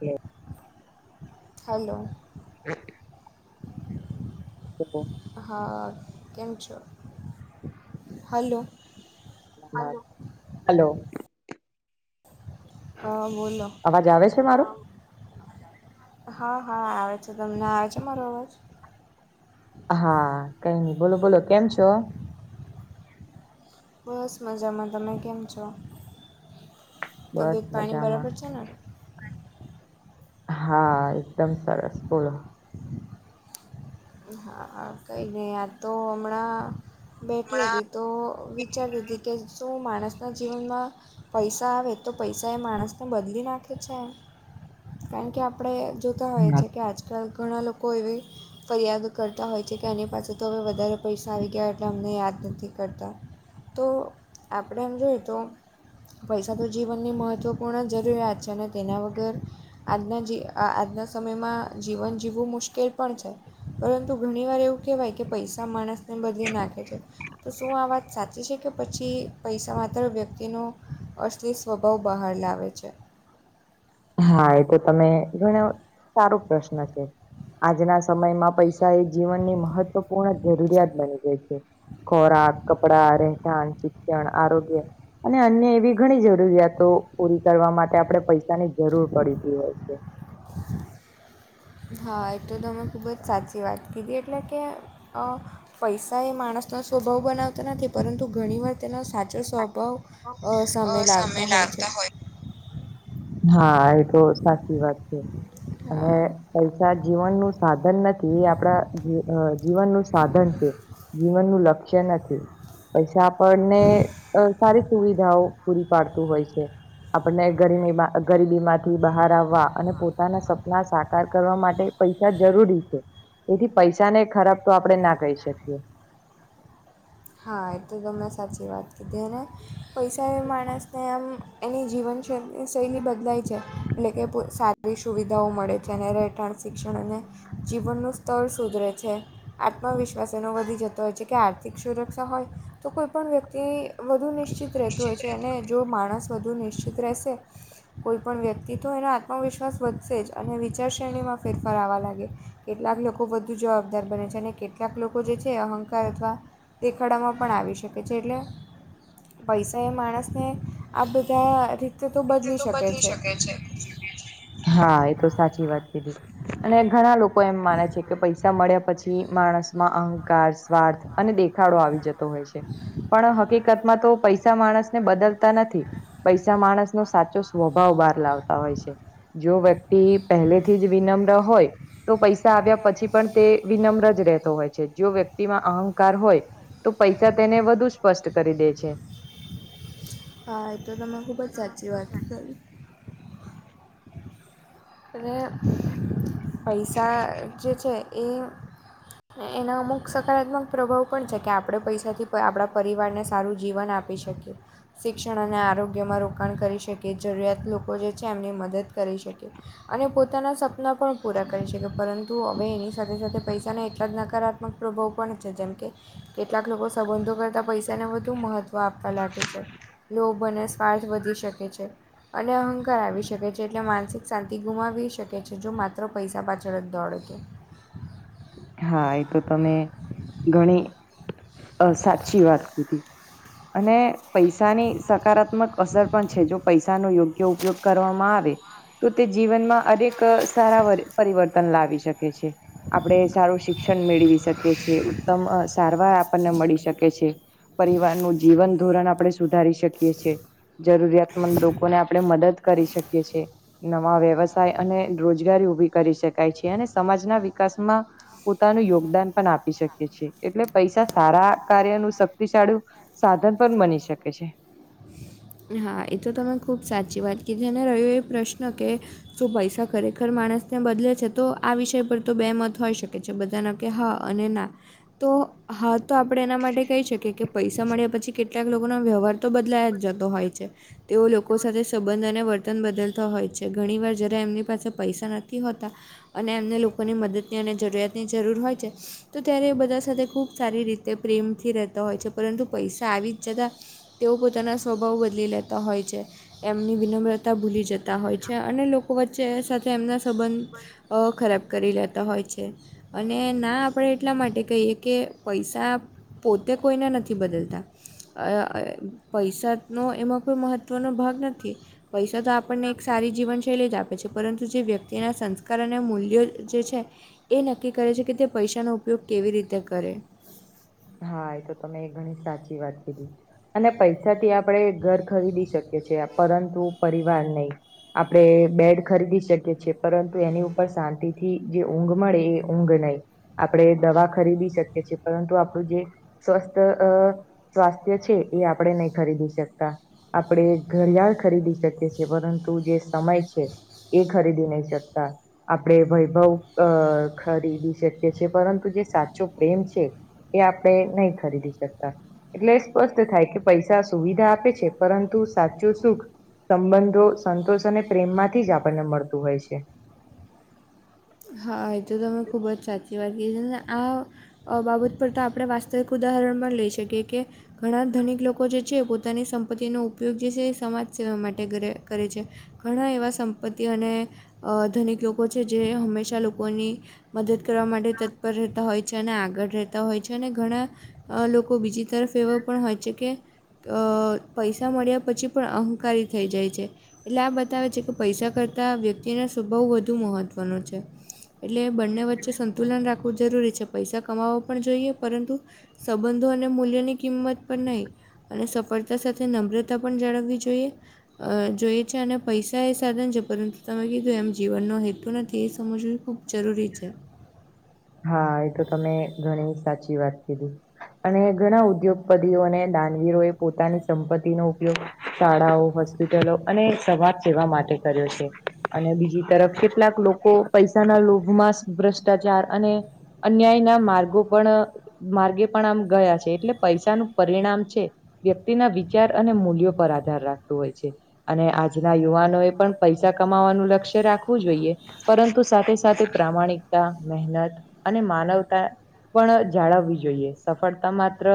એ હાલો [inaudible] [inaudible] હા કેમ છો હલો હા હલો હા બોલો અવાજ આવે છે મારો હા હા આવે છે તમને આવે છે મારો અવાજ હા કઈ નઈ બોલો બોલો કેમ છો બસ મજામાં તમે કેમ છો બસ તબિયત પાણી મજામાં બરાબર છે ને હા એકદમ સરસ બોલો હા હા કઈ નહી આતો હમણાં બેઠી હતી તો વિચારીતી હતી કે શું માણસના જીવનમાં પૈસા આવે તો પૈસા એ માણસને બદલી નાખે છે. કારણ કે આપણે જોતા હોય છે કે આજકાલ ઘણા લોકો એવી ફરિયાદ કરતા હોય છે કે એની પાસે તો હવે વધારે પૈસા આવી ગયા એટલે અમને યાદ નથી કરતા તો આપણે એમ જોઈએ તો પૈસા તો જીવનની મહત્ત્વપૂર્ણ જરૂરિયાત છે અને તેના વગર આજના જી આજના સમયમાં જીવન જીવવું મુશ્કેલ પણ છે. ઘણી વાર એવું કેહેવાય કે પૈસા માણસને બદલી નાખે છે. તો શું આ વાત સાચી છે કે પછી પૈસા માત્ર વ્યક્તિનું અશલી સ્વભાવ બહાર લાવે છે. હા એ તો તમે ઘણો સારો પ્રશ્ન છે આજના સમયમાં પૈસા એ જીવનની મહત્વપૂર્ણ જરૂરિયાત બની જાય છે. ખોરાક કપડા રહેઠાણ શિક્ષણ આરોગ્ય અને અન્ય એવી ઘણી જરૂરિયાતો પૂરી કરવા માટે આપણે પૈસાની જરૂર પડતી હોય છે. હા એ તો તમે ખૂબ જ સાચી વાત કીધી એટલે કે અ પૈસા એ માણસનો સ્વભાવ બનાવતા નથી પરંતુ ઘણી વાર- તેનો સાચો સ્વભાવ સામે લાવતા હોય છે. હા એ તો સાચી વાત છે અને હા એ પૈસા જીવનનું સાધન નથી એ આપણા જીવનનું સાધન છે. જીવનનુ લક્ષ્ય નથી. પૈસા આપણને સારી સુવિધાઓ પૂરી પાડતું હોય છે. આપણને ગરમી માં ગરીબીમાંથી બહાર આવવા અને પોતાના સપના સાકાર કરવા માટે પૈસા જરૂરી છે. એથી પૈસા ને ખરાબ તો આપણે ના કહી શકીએ. હા એ તો તમે સાચી વાત કીધી અને પૈસા એ માણસને આમ એની જીવનશૈ શૈલી બદલાય છે [unintelligible] સારી સુવિધાઓ મળે છે ને રહેઠાણ શિક્ષણ અને જીવનનું સ્તર સુધરે છે આત્મવિશ્વાસ એનો વધી જતો હોય છે કે આર્થિક સુરક્ષા હોય તો કોઈપણ વ્યક્તિ વધુ નિશ્ચિત રહેતું હોય છે અને જો માણસ વધુ નિશ્ચિત રહેશે કોઈ પણ વ્યક્તિ તો એનો આત્મવિશ્વાસ વધશે જ અને વિચાર શ્રેણીમાં ફેરફાર આવા લાગે કેટલાક લોકો વધુ જવાબદાર બને છે અને કેટલાક લોકો જે છે અહંકાર અથવા દેખાડામાં પણ આવી શકે છે એટલે પૈસા એ માણસને આ બધા રીતે તો બદલી શકે છે. હા એ તો સાચી વાત કીધી અને ઘણા લોકો લોકો એમ માને છે કે પૈસા મળ્યા પછી માણસમાં અહંકાર સ્વાર્થ અને દેખાડો આવી જતો પણ હકીકતમાં તો પૈસા માણસને બદલતા નથી પૈસા માણસ સાચો સ્વભાવ બહાર લાવતા હોય છે જો વ્યક્તિ પહેલેથી જ વિનમ્ર હોય તો પૈસા આવ્યા પછી પણ તે વિનમ્ર જ રહેતો હોય છે અહંકાર હોય તો પૈસા તેને વધુ સ્પષ્ટ કરી દે છે. હા એ તો તમે ખુબ જ સાચી વાત કરી અને પૈસા જે છે એ એના અમુક સકારાત્મક પ્રભાવ પણ છે કે પૈસાથી આપણા પરિવારને સારું જીવન આપ આપી શકીએ શિક્ષણ અને આરોગ્યમાં રોકાણ કરી શકીએ જરૂરિયાત જે છે એમની મદદ કરી શકે અને પોતાના સપના પણ પૂરા કરી શકે પરંતુ હવે એની સાથે સાથે પૈસાના એટલા જ નકારાત્મક પ્રભાવ પણ છે જેમ કે કેટલાક લોકો સંબંધો કરતા પૈસાને મહત્વ આપવા લાગે છે લોભ અને સ્વાર્થ વધી શકે છે અને અહંકાર આવી શકે છે એટલે માનસિક શાંતિ ગુમાવી શકે છે જો માત્ર પૈસા પાછળ જ દોડે હા એ તો તમે ઘણી અ સાચી વાત કીધી અને પૈસાની સકારાત્મક અસર પણ છે જો પૈ સા નો યોગ્ય ઉપયોગ કરવામાં આવે તો તે જીવનમાં અનેક સારા પરિવર્તન લાવી શકે છે. આપડે સારું શિક્ષણ મેળવી શકીએ છેએ ઉત્તમ સારવાર આપણને મળી શકે છે. પરિવાર નું જીવન ધોરણ આપણે સુધારી શકીએ છે. જરૂરિયાતમંદ લોકોને આપણે મદદ કરી શકીએ સીએ. નવા વ્યવસાય અને રોજગારી ઉભી કરી શકાય છે અને સમાજના વિકાસમાં પોતાનું યોગદાન પણ આપી શકે છેીએ એટલે પૈસા સારા કાર્ય ન શક્તિશાળું સાધન પણ બની શકે છે. હા એ તો તમે ખૂબ સાચી વાત કે જેને રહ્યો એ પ્રશ્ન કે જો પૈસા ખરેખર માણસ ને બદલે છે તો આ વિષય પર તો બે મત હોય શકે બધાના કે હા અને ના તો હા તો આપણે એના માટે કહી શકીએ કે પૈસા મળ્યા પછી કેટલાક લોકોના વ્યવહાર તો બદલાયા જ તો હોય છે તેઓ લોકો સાથે સંબંધ અને વત તન બદલતો હોય છે ઘણી વાર જરા એમની પાસે પૈસા નથી હોતા અને એમને લોકોની મદદની અને જરૂરિયાતની જરૂર હોય છે. તો ત્યારે એ બધા સાથે ખુબ સારી રીતે પ્રેમથી રહેતા હોય છે પરંતુ પૈસા આવી જતા તેઓ પોતાના સ્વભાવ બદલી લેતા હોય છે એમની વિનમ્રતા ભૂલી જ તા હોય છે અને લોકો વચ્ચે સાથે એમના સંબંધ બો ખરાબ કરી લેતા હોય છે અને ના આપણે એટલા માટે કહીએ કે પૈસા પોતે કોઈને નથી બદલતા. આ પૈસાનો એમાં કોઈ મહત્વનો ભાગ પૈસા તો આપણને એક સારી જીવનૈ જ આપે છે પરંતુ જે વ્યક્તિના સંકાર કાર અને મૂલ્યો જે એ નક્કી છે કે તે પૈસાનો ઉપયોગ કેવી રીતે કરે. હા એ તો તમે ઘણી સાચી વાત કીધી. અને પૈસાથી આપણે ઘર ખરીદી શકીએ પરંતુ નહી. આપણે બેડ ખરીદી શકીએ છીએ પરંતુ એની ઉપર શાંતિથી જે ઊંઘ મળે એ ઊંઘ નહીં. આપણે દવા ખરીદી શકીએ છીએ પરંતુ આપણું જે સ્વસ્થ સ્વાસ્થ્ય છે એ આપણેે નહી ખરીદી શકતા. આપણે ઘડિયાળ ખરીદી શકીએ છીએ પરંતુ જે સમય છે. એ ખરીદી નય શકતા. આપણે વૈભવ અ ખરીદી શકીએ છીએ પરંતુ જે સાચો પ્રેમ છે. એ આપણેે નહી ખરીદી શકતા. એટલે સ્પષ્ટ થાય કે પૈસા સુવિધા આપે છે પરંતુ સાચું સુખ સંબંધો સંતોષ અને પ્રેમમાંથી જ આપણને મળતું હોય છે. હા એ તો તમે ખૂબ જ સાચી વાત કીધી છે ને આ બાબત પર તો આપણે વાસ્તવિક ઉદાહરણમાં લઈ શકીએ કે ઘણા ધનિક લોકો જે છે પોતાની સંપત્તિનો ઉપયોગ જે છે એ સમાજ સેવા માટે કર કરે છે. ઘણા એવા સંપત્તિ અને ધનિક લોકો છે જે હંમેશા લોકો ની મદદ કરવા માટે તત્પર રહેતા હોય છે અને આગળ રહેતા હોય છે અને ઘણા લોકો બીજી તરફ એવા પણ હોય છે કે પૈસા મળ્યા પછી પણ અહંકારી થઈ જાય છે. એટલે આ બતાવે છે કે પૈસા કરતા વ્યક્તિના સ્વભાવ વધુ મહત્વનો છે. એટલે બંને વચ્ચે સંતુલન રાખવું જરૂરી છે પૈસા કમાવો પણ જોઈએ પરંતુ સંબંધો અને મૂલ્યોની કિંમત પણ નહીં અને સફળતા સાથે નમ્રતા પણ જાળવવી જોઈએ. અ જોઈએ છે, અને પૈસા એ સાધન છે, પરંતુ તમે કીધું એમ જીવનનો હેતુ નથી એ સમજવું ખૂબ જરૂરી છે. હા એ તો તમે ઘણી સાચી વાત કીધી. અને ઘણા ઉદ્યોગપતિઓ અને દાનવીરો એ પોતાની સંપત્તિનો ઉપયોગ શાળાઓ હોસ્પિટલો અને સમાજ સેવા માટે કર્યો છે, અને બીજી તરફ કેટલાક લો કો પૈસાના લોભમાં ભ્રષ્ટાચાર અને અન્યાયના માર્ગો પણ માર્ગે પણ આમ ગયા છે, એટલે પૈસાનું પરિણામ છે. વ્યક્તિના વિચાર અને મૂલ્યો પર આધાર રાખતું હોય છે. અને આજના યુવાનો એ પણ પૈસા કમાવાનું લક્ષ્ય રાખવું જોઈએ. પરંતુ સાથે સાથે પ્રામાણિકતા, મહેનત અને માનવતા પણ જાળવવી જોઈએ સફળતા માત્ર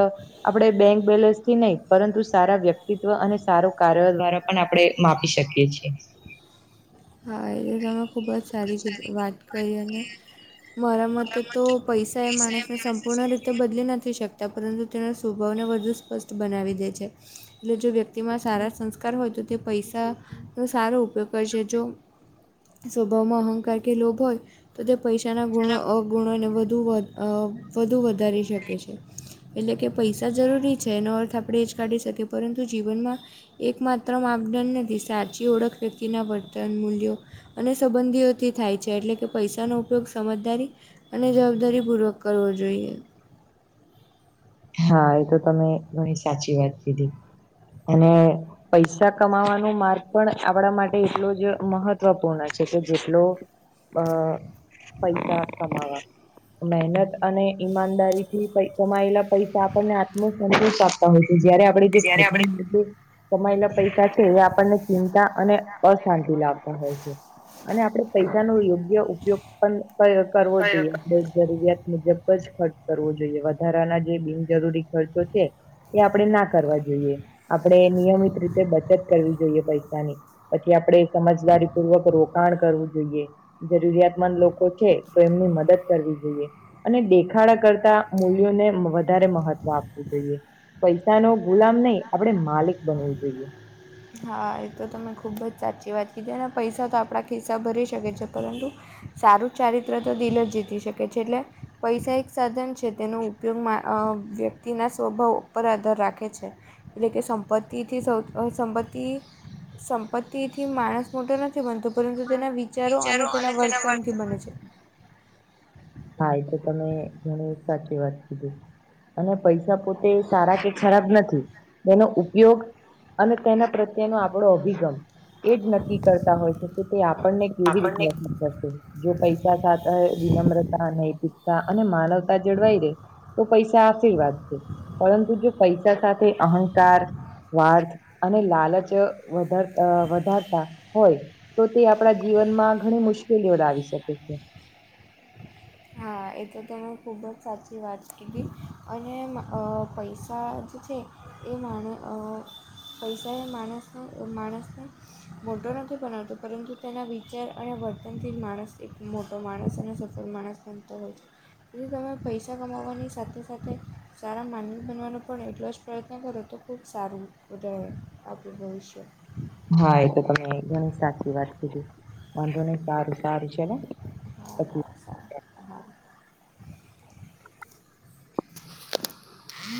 આપડે બેંક બેલેન્સથી નહી પરંતુ સારા વ્યક્તિત્વ અને સારો કાર્ય દ્વારા પણ આપણે માપી શકીએ છે. હા એ તમે ખૂબ જ સારી કી વાત કરી અને મારા મતે તો પૈસા એ માણસને સંપૂર્ણ રીતે બદલી નથી શક તા પરંતુ તેના સ્વભાવને વધુ સ્પષ્ટ બનાવી દે છે, એટલે જો વ્ય તિમાં સારા સંસ્કાર હોય તો તે પૈસાનો સારો ઉપયોગ કરશે. જો સ્વભાવમાં અહંકાર કે લોભ હોય તો તે પૈસાના ગુણો અ ગુણોને વધુ વ અ વધુ વધારી શકે છે. એટલે કે પૈસા જરૂરી છે, એનો અર્થ આપણે એ જ કાઢી શકીએ પરંતુ જીવનમાં એકમાત્ર માપદંડ નથી સાચી ઓળખ વ્યક્તિના તન મૂલ્યો અને સંબંધીઓથી થાય છે, એટલે કે પૈસાનો ઉપયોગ સમજદારી અને જવાબદારી પૂર્વક કરવો જોઈએ. હા એ તો તમે ઘણી સાચી વાત કીધી અને પૈસા કમાવાનો માર્ગ પણ આપણા માટે એટલો જ મહત્વપૂર્ણ છે, કે જેટલો અ પૈસા કમાવા મહેનત અને ઈમાનદારીથી પય કમાયેલા પૈસા આપણને આત્મ સંતોષ આપતા હોય છે, જયારે આપણે જે જ્યારે ખો [unintelligible] કમાયેલા પૈસા છે, એ આપણને ચિંતા અને અશાંતિ લાવતા હોય છે. અને આપડે પૈસાનો યોગ્ય ઉપયોગ પણ [unintelligible] કરવો જોઈએ આપણે જ જરૂરિયાત મુજબ જ ખર્ચ કરવો જોઈએ વધારાના જે બિનજરૂરી ખર્ચો છે. એ આપડે ના કરવા જોઈએ આપડે નિયમિત રીતે બચત કરવી જોઈએ પૈસાની પછી આપણેે સમજદારી પૂર્વક રોકાણ કરવું જોઈએ. જરૂરિયાતમંદ લોકો છે, તેમની મદદ કરવી જોઈએ. અને દેખાડા કરતા મૂલ્યોને વ વધારે મહત્વ આપવું જોઈએ પૈસાનો ગુલામ નહી આપણે માલિક બનવું જોઈએ. હા, એ તો તમે ખૂબ જ સાચી વાત કીધી અને પૈસા તો આપણા ખિસ્સા ભરી શકે છે, પરંતુ સારું ચારિત્ર તો દિલ જ જીતી શકે છે, એટલે પૈસા એક સાધન છે, તેનો ઉપયોગમાં અ વ્યક્તિના સ્વભાવ ઉપર આધાર રાખે છે. એટલે કે સંપત્તિથી સૌ અ સંપત તી સંપત્તિથી માણસ મોટો નથી બનતો પરંતુ તેના વિચારો અને તેના વર્તનથી બને છે. હા એ તો તમે ઘણું સાચી વાત કીધી અને પૈસા પોતે સારા કે ખરાબ નથી એનો ઉપયોગ અને તેના પ્રત્યેનો આપડો અભિગમ એ જ નક્કી કરતા હોય છે કે તે આપણને કેવી રીતે આપણને અસર કરશે જો પૈસા સાથ અ વિનમ્રતા નૈતિકતા અને માનવતા જળવાઈ રે તો પૈસા આશીર્વાદ છે પરંતુ જો પૈસા સાથે અહંકાર સ્વાર્થ અને લાલચ વધારત અ વધારતા હોય તો તે આપડા જીવનમાં ઘણી મુશ્કેલીઓ લાવી શકે છે. હા, એ તો તં ખૂબ જ સાચી વાત કીધી અને મ પૈસા જે છે એ માણે અ પૈસા એ માણસને માણસને મોટો નથી બનાવતો પરંતુ તેના વિચાર અને વર્તનથી માણસ એક મો ટો માણસ અને સફળ માણસ બનતો હોય છે. પછી તમે પૈસા કમાવવાની સાથે સાથે સારા માનવી બનવાનો પણ એટલો જ પ્રયત્ન કરો તો ખૂબ સારું ઉદય આપણું ભવિષ્ય હા, એ તો તમે ઘણી સાચી વાત કીધી વાંધો નઈ સારું સારું છે હા હા [unintelligible] હમ